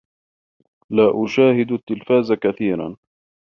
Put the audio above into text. لا أشاهد التلفاز كثيرا.